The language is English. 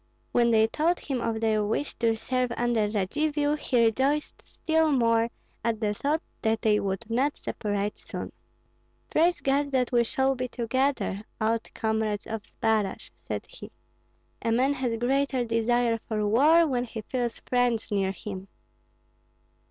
When they told him of their wish to serve under Radzivill, he rejoiced still more at the thought that they would not separate soon. "Praise God that we shall be together, old comrades of Zbaraj!" said he. "A man has greater desire for war when he feels friends near him."